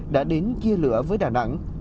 đã đến chia lửa với đà nẵng